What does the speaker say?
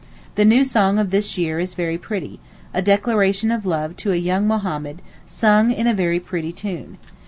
The new song of this year is very pretty—a declaration of love to a young Mohammed, sung to a very pretty tune.